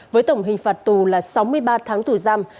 với tổng hình phạt tù là sáu mươi ba tháng tù giam